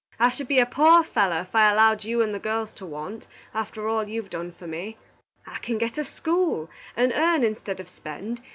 I should be a poor fellow if I allowed you and the girls to want, after all you've done for me. I can get a school, and earn instead of spend.